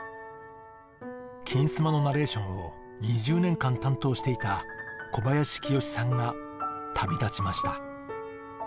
「金スマ」のナレーションを２０年間担当していた小林清志さんが旅立ちました。